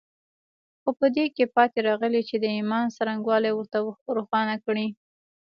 خو په دې کې پاتې راغلي چې د ايمان څرنګوالي ورته روښانه کړي.